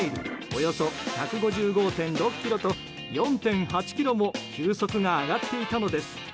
およそ１５５．６キロと４．８キロも球速が上がっていたのです。